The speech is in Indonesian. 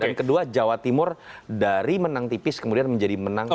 dan kedua jawa timur dari menang tipis kemudian menjadi menang